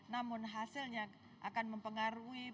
namun hasilnya akan mempengaruhi